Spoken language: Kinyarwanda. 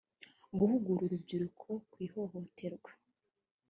Guhugura uru rubyiruko ku ihohoterwa